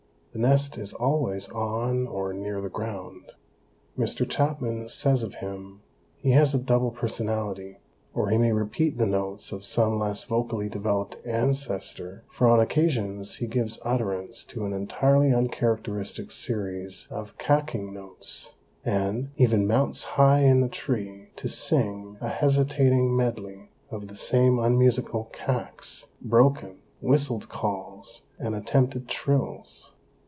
The nest is always on or near the ground. Mr. Chapman says of him: "He has a double personality, or he may repeat the notes of some less vocally developed ancestor, for on occasions he gives utterance to an entirely uncharacteristic series of cacking notes, and even mounts high in the tree to sing a hesitating medley of the same unmusical cacks, broken, whistled calls and attempted trills.